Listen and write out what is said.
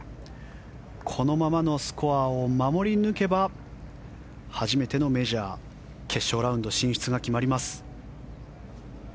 このままのスコアを守り抜けば初めてのメジャー決勝ラウンド進出が決まります。